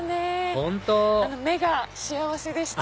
本当目が幸せでした。